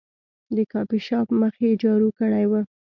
د کافي شاپ مخ یې جارو کړی و.